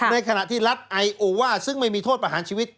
ในขณะที่รัฐไอโอว่าซึ่งไม่มีโทษประหารชีวิต